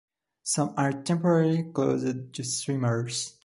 Some are temporarily closed to swimmers.